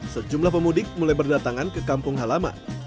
sejumlah pemudik mulai berdatangan ke kampung halaman